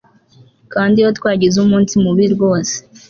kandi iyo twagize umunsi mubi rwose